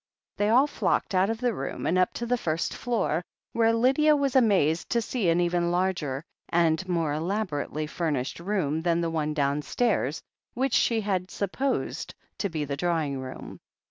They all flocked out of the room and up to the first floor, where Lydia was amazed to see an even larger and more elaborately furnished room than the one downstairs, which she had supposed to be the drawing room.